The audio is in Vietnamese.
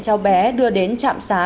cháu bé đưa đến trạm xá